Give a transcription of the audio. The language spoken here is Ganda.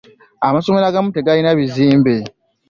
Amasomero agamu tegalina bizimbe.